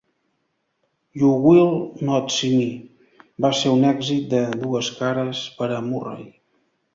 "You Will not See Me" va ser un èxit de dues cares per a Murray.